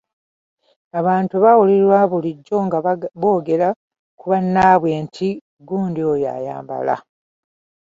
Abantu bawulirwa bulijjo nga boogera ku bannaabwe nti, “Gundi oyo ayambala!